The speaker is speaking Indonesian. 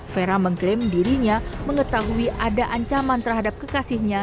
vera mengklaim dirinya mengetahui ada ancaman terhadap kekasihnya